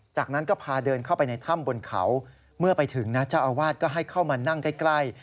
จากนั้นก็พาเดินเข้าไปในถ้ำบนเขาเมื่อไปถึงนะเจ้าอาวาสก็ให้เข้ามานั่งใกล้